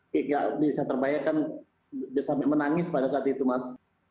gak bisa terbayangkan bisa menangis pada saat itu mas